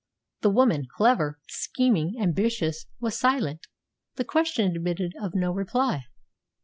The woman clever, scheming, ambitious was silent. The question admitted of no reply.